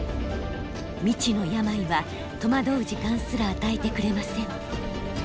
未知の病は戸惑う時間すら与えてくれません。